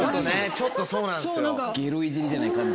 ちょっとそうなんですよ。こんな。